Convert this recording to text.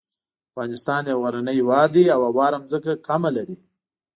افغانستان یو غرنی هیواد دی او هواره ځمکه کمه لري.